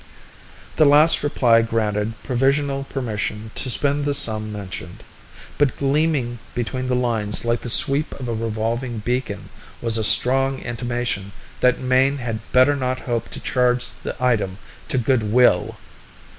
The last reply granted provisional permission to spend the sum mentioned; but gleaming between the lines like the sweep of a revolving beacon was a strong intimation that Mayne had better not hope to charge the item to "good will."